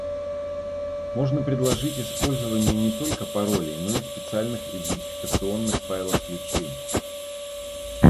Можно предложить использование не только паролей, но и специальных идентификационных файлов-ключей